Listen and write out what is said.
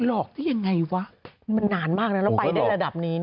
หลอกได้ยังไงวะมันนานมากนะแล้วไปได้ระดับนี้